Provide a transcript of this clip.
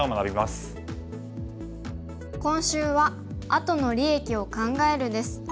今週は「あとの利益を考える」です。